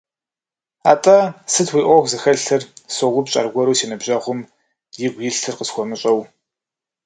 Атӏэ, сыт уи ӏуэху зыхэлъыр - соупщӏ аргуэру си ныбжьэгъум, игу илъыр къысхуэмыщӏэу.